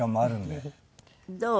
どう？